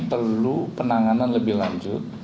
perlu penanganan lebih lanjut